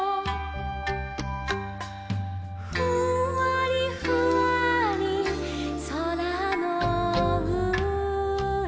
「ふんわりふわーりそらのうえ」